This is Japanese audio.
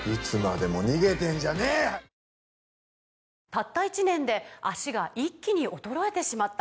「たった１年で脚が一気に衰えてしまった」